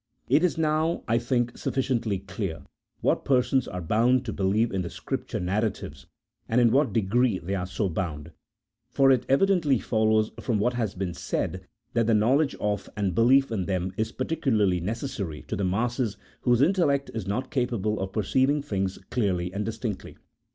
It is now, I think, sufficiently clear what persons are bound to believe in the Scripture narratives, and in what degree they are so bound, for it evidently follows from what has been said that the knowledge of and belief in them is particu larly necessary to the masses whose intellect is not capable of perceiving things clearly and distinctly.